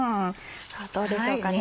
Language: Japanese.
どうでしょうかね。